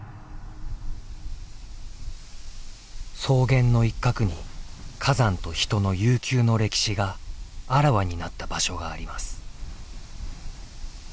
草原の一角に火山と人の悠久の歴史があらわになった場所があります。